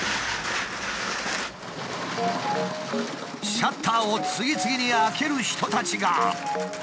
シャッターを次々に開ける人たちが！